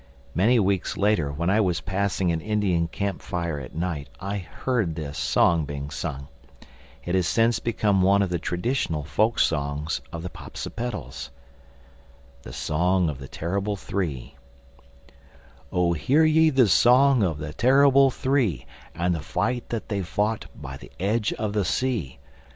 Many weeks later when I was passing an Indian camp fire at night I heard this song being sung. It has since become one of the traditional folksongs of the Popsipetels. THE SONG OF THE TERRIBLE THREE Oh hear ye the Song of the Terrible Three And the fight that they fought by the edge of the sea.